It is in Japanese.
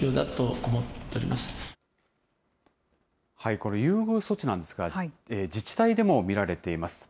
この優遇措置なんですが、自治体でも見られています。